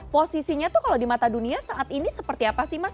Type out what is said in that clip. posisinya tuh kalau di mata dunia saat ini seperti apa sih mas